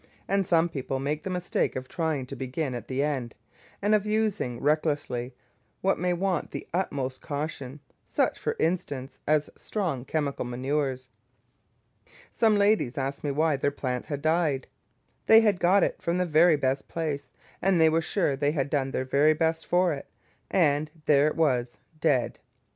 And some people make the mistake of trying to begin at the end, and of using recklessly what may want the utmost caution, such, for instance, as strong chemical manures. Some ladies asked me why their plant had died. They had got it from the very best place, and they were sure they had done their very best for it, and there it was, dead.